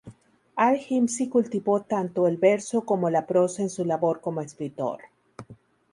Al-Himsi cultivó tanto el verso como la prosa en su labor como escritor.